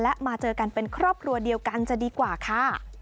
และมาเจอกันเป็นครอบครัวเดียวกันจะดีกว่าค่ะ